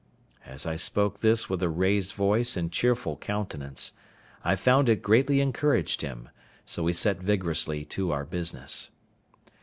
As I spoke this with a raised voice and cheerful countenance, I found it greatly encouraged him; so we set vigorously to our business.